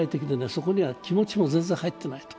そこには気持ちが全然入っていないと。